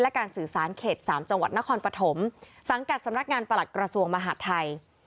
และการสื่อสารเขต๓จังหวัดนครปฐมสังกัดสำนักงานประหลัดกระทรวงมหาดไทย